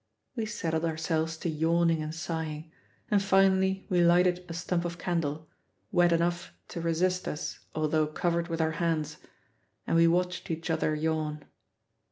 We settled ourselves to yawning and sighing, and finally we lighted a stump of candle, wet enough to resist us although covered with our hands; and we watched each other yawn.